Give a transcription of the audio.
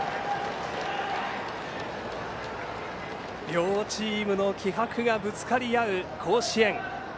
両チームの気迫がぶつかり合う甲子園。